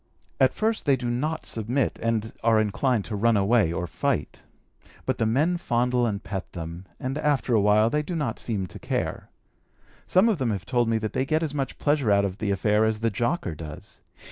At first they do not submit, and are inclined to run away or fight, but the men fondle and pet them, and after awhile they do not seem to care. Some of them have told me that they get as much pleasure out of the affair as the jocker does.